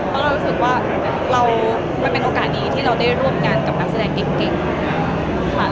เพราะเรารู้สึกว่ามันเป็นโอกาสดีที่เราได้ร่วมงานกับนักแสดงเก่งค่ะ